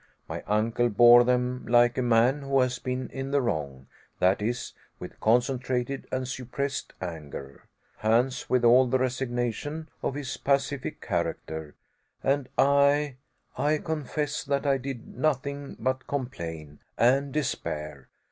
My uncle bore them like a man who has been in the wrong that is, with concentrated and suppressed anger; Hans, with all the resignation of his pacific character; and I I confess that I did nothing but complain, and despair.